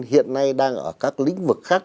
hiện nay đang ở các lĩnh vực khác